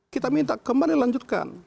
kita minta kembali melanjutkan